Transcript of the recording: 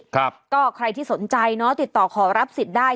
ครับก็ใครที่สนใจเนอะติดต่อขอรับสิทธิ์ได้